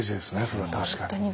それは確かに。